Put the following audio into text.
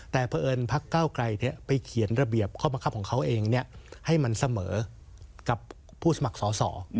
แต่เพราะเอิญพักเก้าไกลไปเขียนระเบียบข้อบังคับของเขาเองให้มันเสมอกับผู้สมัครสอสอ